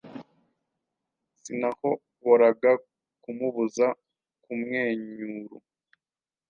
sinahoboraga kumubuza kumwenyuru